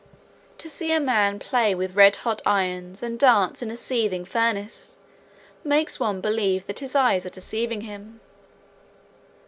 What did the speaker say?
To see a man play with red hot irons and dance in a seething furnace, makes one believe that his eyes are deceiving him.